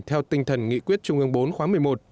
theo tinh thần nghị quyết trung ương bốn khóa một mươi một